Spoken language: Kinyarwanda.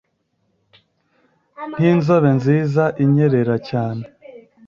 Nk' inzobe nziza inyerera cyane